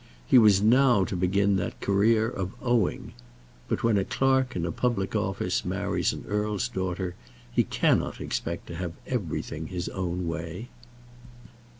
He was now to begin that career of owing. But when a clerk in a public office marries an earl's daughter, he cannot expect to have everything his own way.